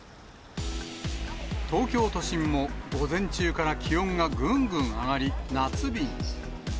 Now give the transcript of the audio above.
東京都心も午前中から気温がぐんぐん上がり、夏日。